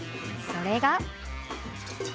それが。